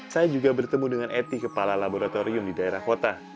saya juga bertemu dengan eti kepala laboratorium di daerah kota